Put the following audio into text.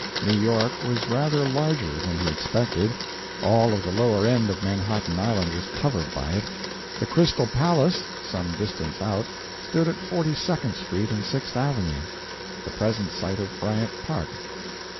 New York was rather larger than he expected. All of the lower end of Manhattan Island was covered by it. The Crystal Palace some distance out stood at Forty second Street and Sixth Avenue the present site of Bryant Park.